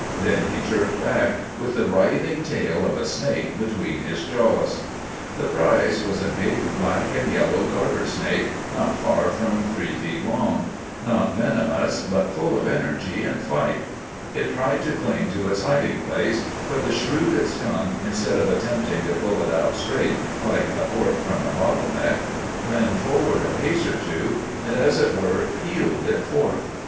Then he jerked back, with the writhing tail of a snake between his jaws. The prize was a big black and yellow garter snake, not far from three feet long,—not venomous, but full of energy and fight. It tried to cling to its hiding place; but the shrewd skunk, instead of attempting to pull it out straight, like a cork from a bottle neck, ran forward a pace or two, and, as it were, "peeled" it forth.